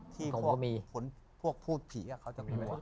ที่พวกพูดผีเขาจะกลัว